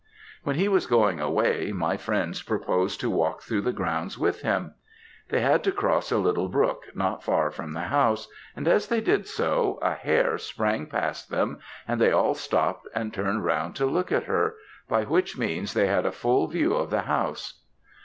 "When he was going away, my friends proposed to walk through the grounds with him; they had to cross a little brook not far from the house; and as they did so, a hare sprang past them and they all stopt and turned round to look at her, by which means they had a full view of the house.